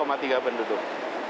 ada dua tiga penduduk